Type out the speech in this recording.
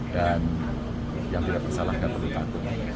dan yang tidak bersalahkan perlu takut